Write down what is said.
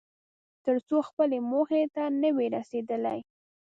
تر څو خپلې موخې ته نه وې رسېدلی.